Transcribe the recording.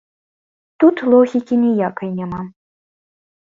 Тут логікі ніякай няма.